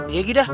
iya gi dah